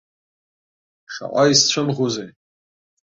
Шаҟа исцәымӷузеи!